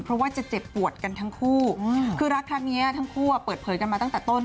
เพราะว่าจะเจ็บปวดกันทั้งคู่คือรักครั้งนี้ทั้งคู่เปิดเผยกันมาตั้งแต่ต้น